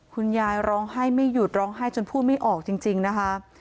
คุณยายร้องไห้ไม่หยุดร้องไห้จนพูดไม่ออกจริงนะคะ